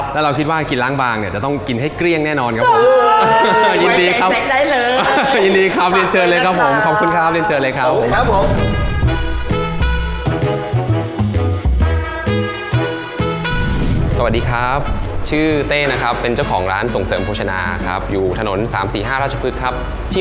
แล้วเราคิดว่ากินร้างบางจะต้องกินให้เกลี้ยงแน่นอนครับ